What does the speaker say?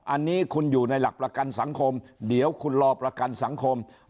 อันนี้คุณอยู่ในหลักประกันสังคมเดี๋ยวคุณรอประกันสังคม